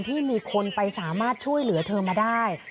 ที่มีคนไปสามารถช่วยเหลือเธอมาได้